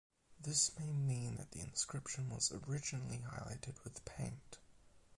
This may mean that the inscription was originally highlighted with paint.